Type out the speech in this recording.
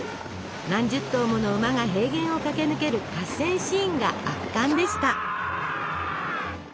何十頭もの馬が平原を駆け抜ける合戦シーンが圧巻でした。